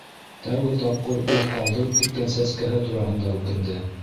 Тәүге тапҡыр ул ҡалдырып киткән сәскәһе тураһында үкенде.